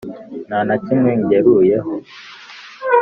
nta na kimwe ngeruyeho?